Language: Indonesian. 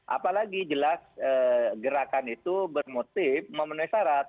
apalagi jelas gerakan itu bermotif memenuhi syarat